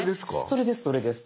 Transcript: それですそれです。